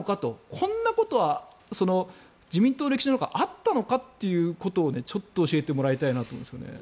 こんなことは自民党の歴史の中あったのかということをちょっと教えてもらいたいなと思うんですよね。